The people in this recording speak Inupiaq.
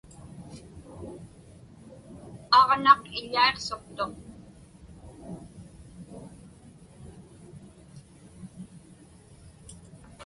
Aġnaq iḷḷiaqsuqtuq.